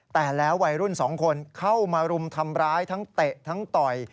แต่แล้ววัยรุ่น๒คนเข้ามารุมทำร้ายทั้งเตะทั้งต่อย